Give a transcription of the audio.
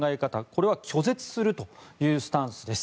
これは拒絶するというスタンスです。